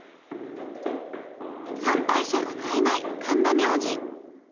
参拝者の絶えない神田明神。